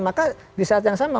maka di saat yang sama